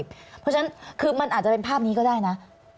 เพราะฉะนั้นคือมันอาจจะเป็นภาพนี้ก็ได้นะ